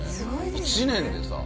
１年でさ。